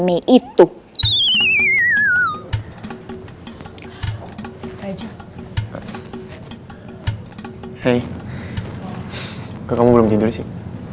kok kamu belum tidur sih